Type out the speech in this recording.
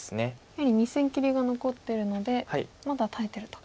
やはり２線切りが残ってるのでまだ耐えてると。